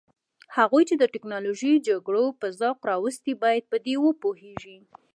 هغوی چې د تکنالوژیکي جګړو په ذوق راوستي باید په دې وپوهیږي.